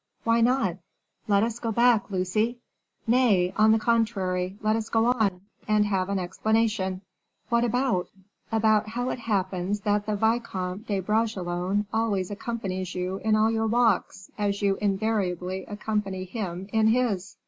"Why not?" "Let us go back, Lucy." "Nay, on the contrary, let us go on, and have an explanation." "What about?" "About how it happens that the Vicomte de Bragelonne always accompanies you in all your walks, as you invariably accompany him in his."